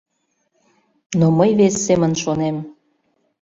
Но мый вес семын шонем.